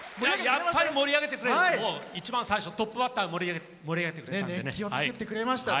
やっぱり盛り上げてくれて一番最初、トップバッター盛り上げてくれてね。